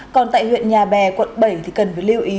còn tại huyện nhà bè quận bảy thì cần phải lưu ý